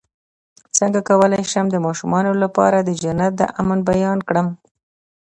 څنګه کولی شم د ماشومانو لپاره د جنت د امن بیان کړم